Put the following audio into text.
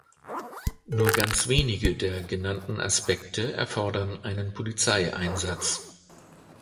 Nur ganz wenige der genannten Aspekte erfordern einen Polizeieinsatz.